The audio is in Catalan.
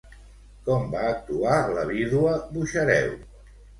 Com va actuar la vídua Buxareu?